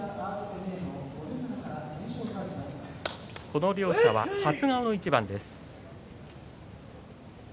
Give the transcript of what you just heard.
この両者は初顔の一番です。